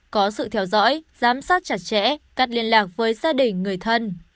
có sự theo dõi giám sát chặt chẽ cắt liên lạc với gia đình người thân